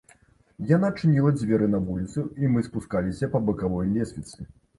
Яна адчыніла дзверы на вуліцу, і мы спускаліся па бакавой лесвіцы.